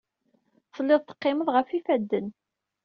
Telliḍ teqqimeḍ ɣef yifadden.